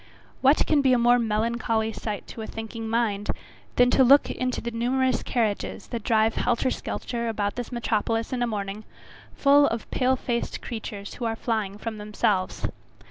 What can be a more melancholy sight to a thinking mind, than to look into the numerous carriages that drive helter skelter about this metropolis in a morning, full of pale faced creatures who are flying from themselves.